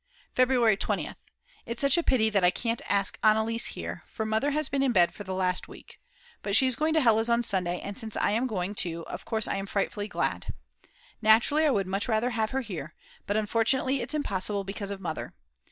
February 20th. It's such a pity that I can't ask Anneliese here, for Mother has been in bed for the last week. But she is going to Hella's on Sunday, and since I am going too of course I am frightfully glad. Naturally I would much rather have her here; but unfortunately it's impossible because of Mother.